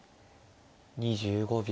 ２５秒。